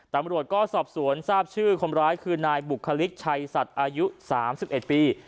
ตำรวจก็สอบสวนทราบชื่อคนร้ายคือนายบุคลิกชัยสัตว์อายุ๓๑ปี